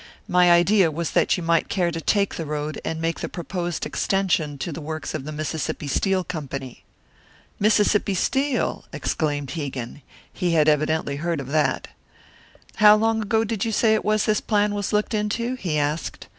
My idea was that you might care to take the road, and make the proposed extension to the works of the Mississippi Steel Company." "Mississippi Steel!" exclaimed Hegan. He had evidently heard of that. "How long ago did you say it was that this plan was looked into?" he asked.